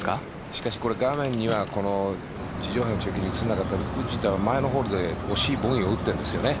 しかし、画面には地上波の中継に映らなかった藤田は前のホールで惜しいボギーを打っているんです。